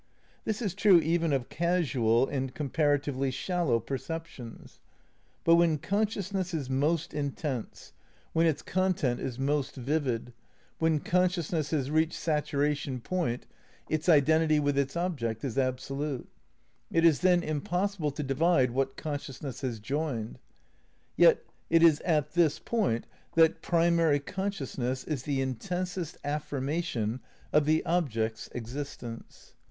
This is true even of casual and comparatively shallow perceptions ; but when consciousness is most intense, when its content is 276 THE NEW IDEALISM ix most vivid, when consciousness has reached saturation point, its identity with its object is absolute. It is then impossible to divide what consciousness has joined. Yet it is at this point that primary consciousness is the in tensest affirmation of the object's existence.